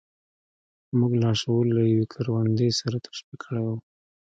موږ لاشعور له يوې کروندې سره تشبيه کړی و.